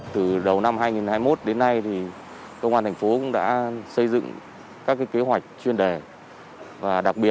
từ đầu năm hai nghìn hai mươi một đến nay công an tp hcm đã xây dựng các kế hoạch chuyên đề